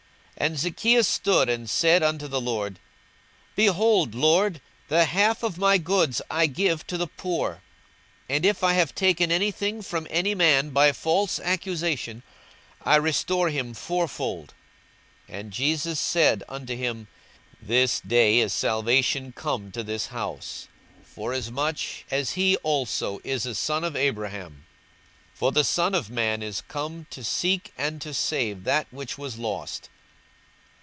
42:019:008 And Zacchaeus stood, and said unto the Lord: Behold, Lord, the half of my goods I give to the poor; and if I have taken any thing from any man by false accusation, I restore him fourfold. 42:019:009 And Jesus said unto him, This day is salvation come to this house, forsomuch as he also is a son of Abraham. 42:019:010 For the Son of man is come to seek and to save that which was lost.